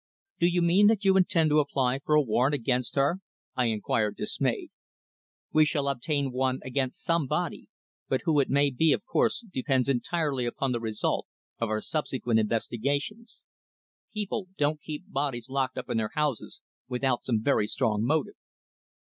"Do you mean that you intend to apply for a warrant against her?" I inquired, dismayed. "We shall obtain one against somebody, but who it may be of course depends entirely upon the result of our subsequent investigations. People don't keep bodies locked up in their houses without some very strong motive."